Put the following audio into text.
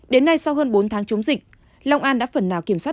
đến nay sau hơn bốn tháng chống dịch long an đã phần nào kiểm soát